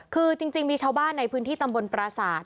คือจริงมีชาวบ้านในพื้นที่ตำบลปราศาสตร์